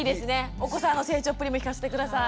お子さんの成長っぷりも聞かせて下さい。